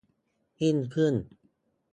ยิ่งขึ้น